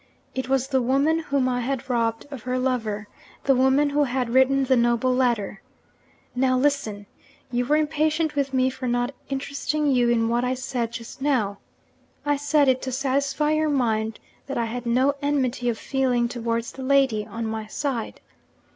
It was the woman whom I had robbed of her lover, the woman who had written the noble letter. Now listen! You were impatient with me for not interesting you in what I said just now. I said it to satisfy your mind that I had no enmity of feeling towards the lady, on my side.